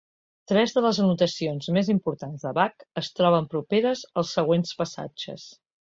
Tres de les anotacions més importants de Bach es troben properes als següents passatges.